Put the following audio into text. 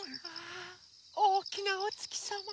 おおきなおつきさま。